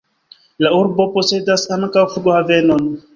La urbo posedas ankaŭ flughavenon.